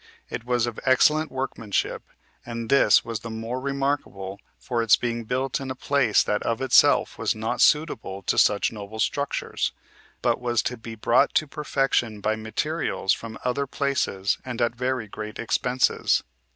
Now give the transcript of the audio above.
It was of excellent workmanship; and this was the more remarkable for its being built in a place that of itself was not suitable to such noble structures, but was to be brought to perfection by materials from other places, and at very great expenses.